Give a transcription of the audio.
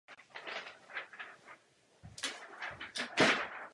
V devadesátých letech se začala více zajímat o divadlo a hraní.